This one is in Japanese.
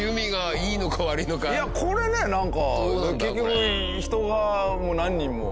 いやこれねなんか結局人が何人も。